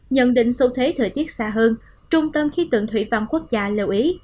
nhận định xu thế thời tiết xa hơn trung tâm khí tượng thủy văn quốc gia lưu ý